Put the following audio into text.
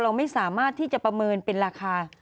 เราไม่สามารถที่จะประเมินเป็นราคา